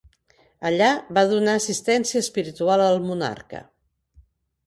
Allà va donar assistència espiritual al monarca.